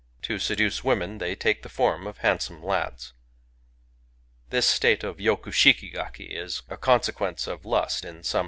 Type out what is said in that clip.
To seduce women they take the form of handsome lads. This state of { Toku sbiki'gaki is a consequence of lust in some